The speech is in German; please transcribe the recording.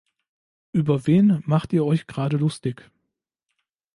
Über wen macht ihr euch gerade lustig?